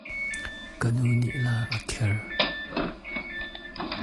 Ka nu nih la a carh.